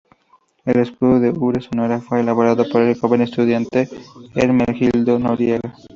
El escudo de Ures, Sonora, fue elaborado por el joven estudiante Hermenegildo Noriega.